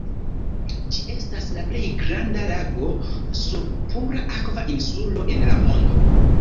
Ĝi estas la plej granda lago sur pura akva insulo en la mondo.